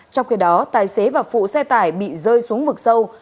trong khi đó tài xế và phụ xe tải bị rơi xuống vực sâu